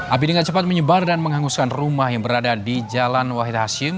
api dengan cepat menyebar dan menghanguskan rumah yang berada di jalan wahid hashim